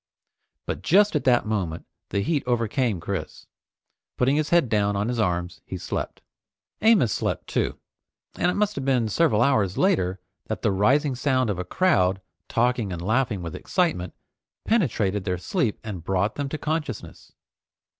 But just at that moment the heat overcame Chris. Putting his head down on his arms, he slept. Amos slept too, and it must have been several hours later that the rising sound of a crowd talking and laughing with excitement penetrated their sleep and brought them to consciousness.